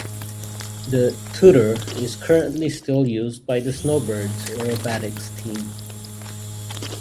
The Tutor is currently still used by the Snowbirds aerobatics team.